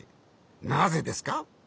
なぜですか？